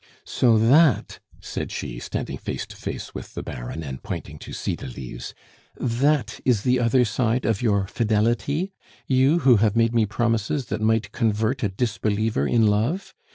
"So that," said she, standing face to face with the Baron, and pointing to Cydalise "that is the other side of your fidelity? You, who have made me promises that might convert a disbeliever in love!